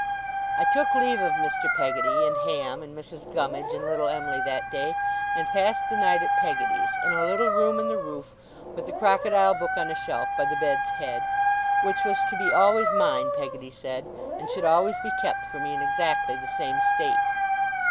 I took leave of Mr. Peggotty, and Ham, and Mrs. Gummidge, and little Em'ly, that day; and passed the night at Peggotty's, in a little room in the roof (with the Crocodile Book on a shelf by the bed's head) which was to be always mine, Peggotty said, and should always be kept for me in exactly the same state.